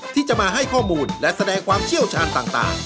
ที่จะมาให้ข้อมูลและแสดงความเชี่ยวชาญต่าง